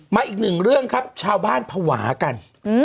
อีกหนึ่งเรื่องครับชาวบ้านภาวะกัน